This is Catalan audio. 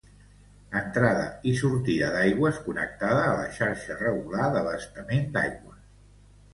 Entrada i sortida d'aigües connectada a la xarxa regular d'abastament d'aigües.